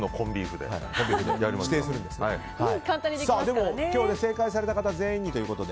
でも、今日正解された方全員にということで。